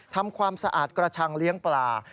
ทำความสะอาดกระชังเลี้ยงปลา